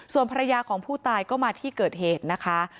ส่วนภรรยาของผู้ตายก็มาที่เกิดเหตุนะคะ